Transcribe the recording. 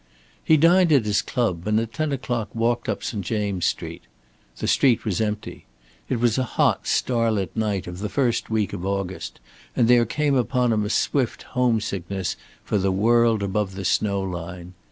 He dined at his club, and at ten o'clock walked up St. James' Street. The street was empty. It was a hot starlit night of the first week in August, and there came upon him a swift homesickness for the world above the snow line.